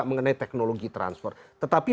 mengenai teknologi transfer tetapi